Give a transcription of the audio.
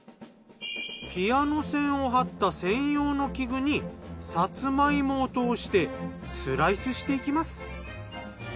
ピアノ線を張った専用の器具にさつま芋を通してスライスしていきます。